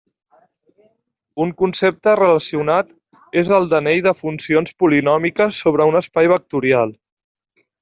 Un concepte relacionat és el d'anell de funcions polinòmiques sobre un espai vectorial.